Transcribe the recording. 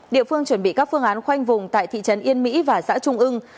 địa phương chuẩn bị các phương án khoanh vùng tại thị trấn yên mỹ và xã trung ương